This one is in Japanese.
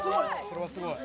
これすごい！